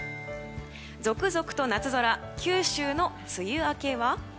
続々と夏空、九州の梅雨明けは？